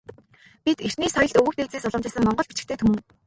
Бидэртний соёлт өвөг дээдсээс уламжилсан монгол бичигтэй түмэн.